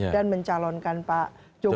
dan mencalonkan pak jokowi